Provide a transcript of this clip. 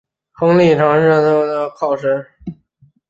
亨利尝试让他们通过电话联系考雷什。